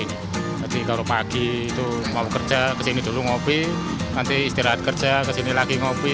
jadi kalau pagi itu mau kerja kesini dulu ngopi nanti istirahat kerja kesini lagi ngopi